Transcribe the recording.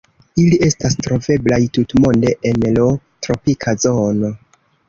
Ili estas troveblaj tutmonde en lo tropika zono.